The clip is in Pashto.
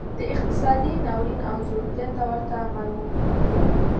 دا اقتصادي ناورین او ځوړتیا ته ورته عمل و.